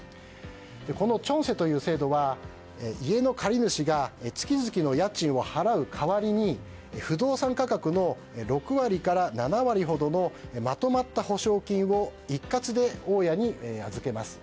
このチョンセという制度は家の借り主が月々の家賃を払う代わりに不動産価格の６割から７割ほどのまとまった保証金を一括で大家に預けます。